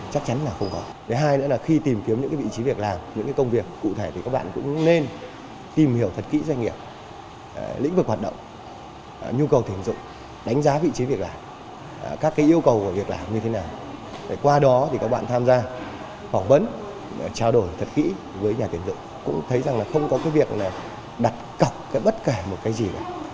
thật ra phỏng vấn trao đổi thật kỹ với nhà tiền dự cũng thấy rằng là không có việc đặt cọc bất kể một cái gì